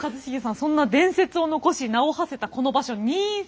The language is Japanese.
そんな伝説を残し名をはせたこの場所新座。